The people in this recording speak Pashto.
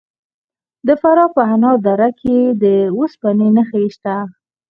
د فراه په انار دره کې د وسپنې نښې شته.